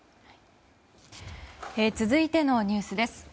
続いてのニュースです。